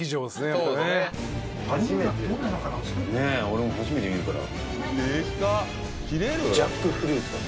俺も初めて見るから。